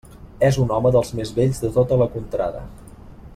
És un home dels més vells de tota la contrada.